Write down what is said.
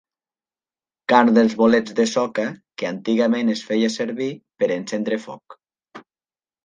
Carn dels bolets de soca que antigament es feia servir per encendre foc.